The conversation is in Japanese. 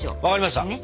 わかりました。